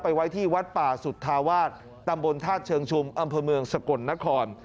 ไว้ที่วัดป่าสุธาวาสตำบลธาตุเชิงชุมอำเภอเมืองสกลนคร